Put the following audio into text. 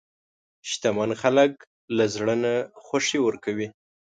شتمن خلک له زړه نه خوښي ورکوي.